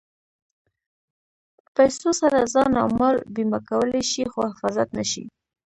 په پیسو سره ځان او مال بیمه کولی شې خو حفاظت نه شې.